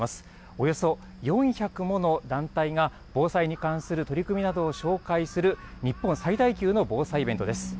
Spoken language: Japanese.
およそ４００もの団体が防災に関する取り組みなどを紹介する、日本最大級の防災イベントです。